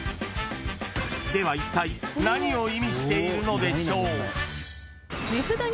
［ではいったい何を意味しているのでしょう？］